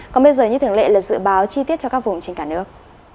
còn bây giờ như thường lệ là dự báo chi tiết cho các vùng trên cả nước